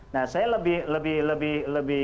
nah saya lebih